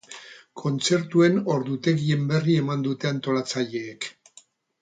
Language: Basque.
Kontzertuen ordutegien berri eman dute antolatzaileek.